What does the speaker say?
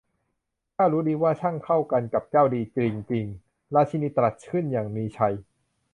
'ข้ารู้ดีว่า ช่างเข้ากันกับเจ้าดีจริง ๆ !' ราชินีตรัสขึ้นอย่างมีชัย